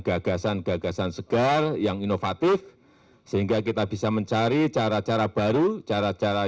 gagasan gagasan segar yang inovatif sehingga kita bisa mencari cara cara baru cara cara